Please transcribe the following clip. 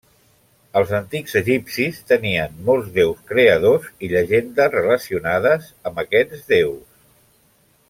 Els antics egipcis tenien molts déus creadors i llegendes relacionades amb aquests déus.